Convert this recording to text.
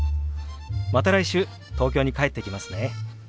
また来週東京に帰ってきますね。